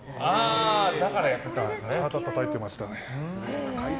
だからたたいてましたね。